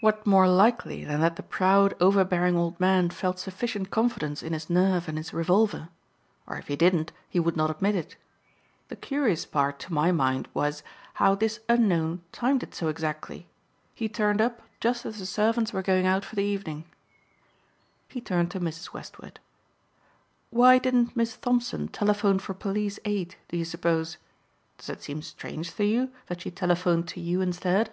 What more likely than that the proud overbearing old man felt sufficient confidence in his nerve and his revolver? Or if he didn't he would not admit it. The curious part to my mind was how this unknown timed it so exactly. He turned up just as the servants were going out for the evening." He turned to Mrs. Westward, "Why didn't Miss Thompson telephone for police aid do you suppose? Does it seem strange to you that she telephoned to you instead?"